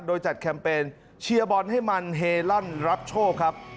โดยจัดแคมเปญเชียร์บอลให้มันเฮลั่นรับโชคครับ